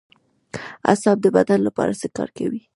اعصاب د بدن لپاره څه کار کوي